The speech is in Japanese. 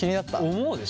思うでしょ？